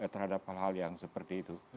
terhadap hal hal yang seperti itu